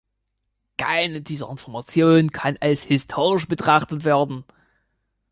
Keine dieser Informationen kann als historisch betrachtet werden.